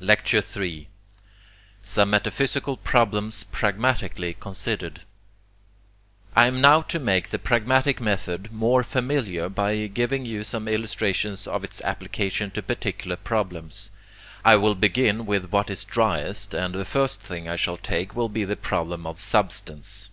Lecture III Some Metaphysical Problems Pragmatically Considered I am now to make the pragmatic method more familiar by giving you some illustrations of its application to particular problems. I will begin with what is driest, and the first thing I shall take will be the problem of Substance.